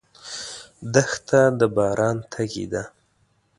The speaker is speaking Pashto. دښته د باران تږې ده.